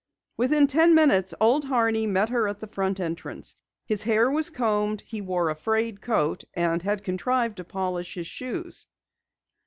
Within ten minutes, Old Horney met her at the front entrance. His hair was combed, he wore a frayed coat, and had contrived to polish his shoes.